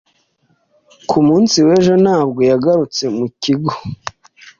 Ku munsi w'ejo ntabwo yagarutse mu kigo.